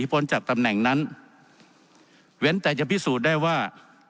พ้นจากตำแหน่งนั้นเว้นแต่จะพิสูจน์ได้ว่า